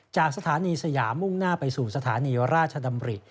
จากสถานีสยามมุ่งหน้าไปสู่สถานีราชดำริ